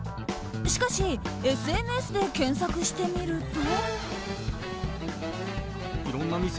しかしＳＮＳで検索してみると。